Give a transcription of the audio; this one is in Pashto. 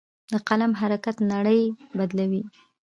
د قلم حرکت نړۍ بدلوي.